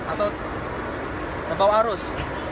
atau bawa arus